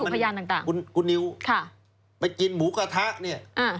แล้วก็แปลกว่าคุณนิวไปกินหมูกระทะเนี่ย